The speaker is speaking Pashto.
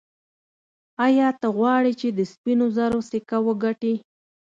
ایا ته غواړې چې د سپینو زرو سکه وګټې.